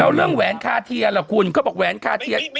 เอาเรื่องแหวนคาเทียล่ะคุณเขาบอกแหวนคาเทียน